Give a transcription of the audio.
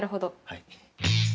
はい。